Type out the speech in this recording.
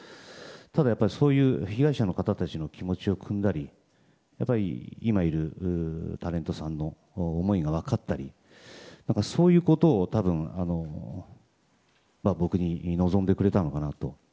ただやっぱり被害者の方たちの気持ちを汲んだり今いるタレントさんの思いが分かったりそういうことを多分僕に望んでくれたのかなと。